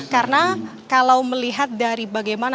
karena kalau melihat dari bagaimana